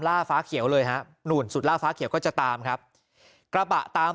ล่าฟ้าเขียวเลยฮะนู่นสุดล่าฟ้าเขียวก็จะตามครับกระบะตาม